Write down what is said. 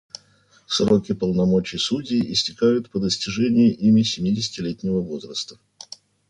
Сроки полномочий судей истекают по достижении ими семидесятилетнего возраста.